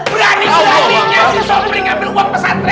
berani selamanya si sombre